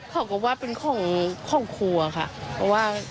เขาก็บอกว่าเป็นข้องครัวค่ะ